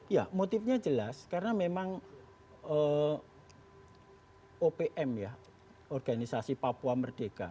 ya motifnya jelas karena memang opm ya organisasi papua merdeka